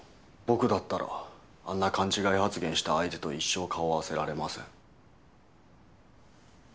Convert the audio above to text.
僕だったらあんな勘違い発言した相手と一生顔合わせられません。